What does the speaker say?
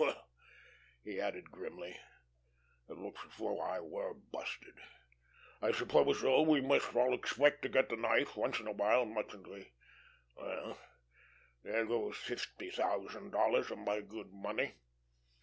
"Well," he added, grimly, "it looks as though I were busted. I suppose, though, we must all expect to get the knife once in a while mustn't we? Well, there goes fifty thousand dollars of my good money."